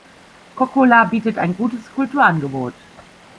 Kokkola bietet ein gutes Kulturangebot.